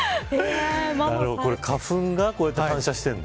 花粉がこうやって反射してるの。